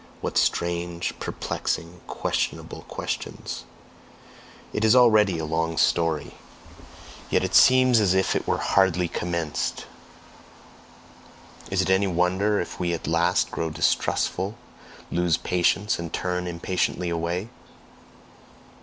What strange, perplexing, questionable questions! It is already a long story; yet it seems as if it were hardly commenced. Is it any wonder if we at last grow distrustful, lose patience, and turn impatiently away?